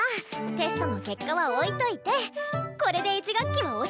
テストの結果は置いといてこれで１学期はおしまい！